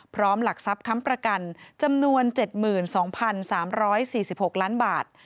หลักทรัพย์ค้ำประกันจำนวน๗๒๓๔๖ล้านบาท